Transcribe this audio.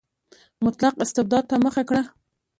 مطلق استبداد ته مخه کړه.